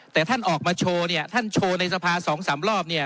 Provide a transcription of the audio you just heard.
แต่ท่านออกมาโชว์เนี่ยท่านโชว์ในสภาสองสามรอบเนี่ย